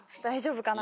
大丈夫。